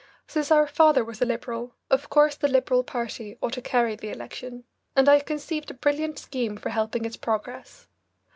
Since our father was a Liberal, of course the Liberal party ought to carry the election, and I conceived a brilliant scheme for helping its progress.